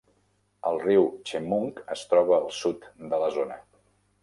El riu Chemung es troba al sud de la zona.